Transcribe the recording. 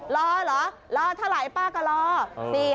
รอเหรอรอเท่าไหร่ป้าก็รอ